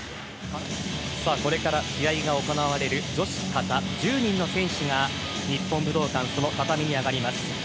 これから試合が行われる女子形１０人の選手が日本武道館の畳に上がります。